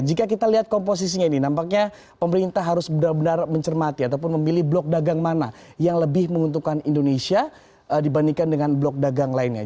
jika kita lihat komposisinya ini nampaknya pemerintah harus benar benar mencermati ataupun memilih blok dagang mana yang lebih menguntungkan indonesia dibandingkan dengan blok dagang lainnya